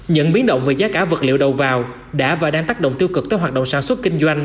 những biến động về giá cả vật liệu đầu vào đã và đang tác động tiêu cực tới hoạt động sản xuất kinh doanh